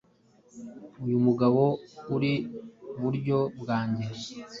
uyu mugabo uri buryo bwange